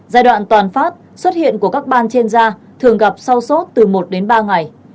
giai đoạn toàn phát xuất hiện của các ban trên da thường gặp sau sốt từ một đến ba ngày